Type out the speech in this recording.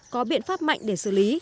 có biện pháp mạnh để xử lý